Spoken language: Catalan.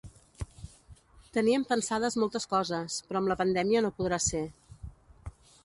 Teníem pensades moltes coses, però amb la pandèmia no podrà ser.